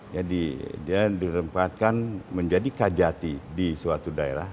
jadi dia dirempatkan menjadi kajati di suatu daerah